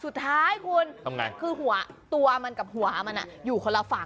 สุดท้ายคุณทำไงคือหัวตัวมันกับหัวมันอยู่คนละฝั่ง